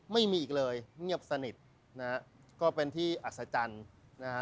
ไม่มีอีกเลยเงียบสนิทนะฮะก็เป็นที่อัศจรรย์นะฮะ